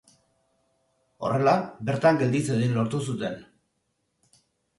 Horrela bertan geldi zedin lortu zuten.